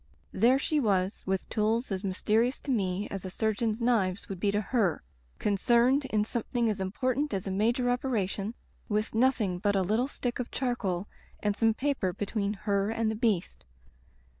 There she was, with tools as mys terious to mc as a surgeon's knives would be Digitized by LjOOQ IC Interventions to her, concerned in something as impor tant as a major operation, with nothing but a little stick of charcoal and some paper be tween her and the Beast.